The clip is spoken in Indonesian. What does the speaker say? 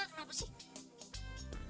iya kak assalamualaikum kak